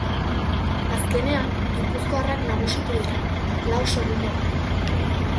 Azkenean, gipuzkoarrak nagusitu dira, lau segundogatik.